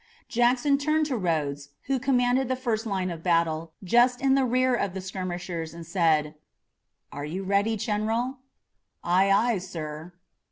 Jackson turned to Rodes, who commanded the first line of battle, just in the rear of the skirmishers, and said: "Are you ready, General?" "Aye, aye, sir."